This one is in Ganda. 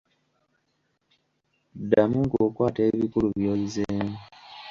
Ddamu ng'okwata ebikulu by'oyizeemu.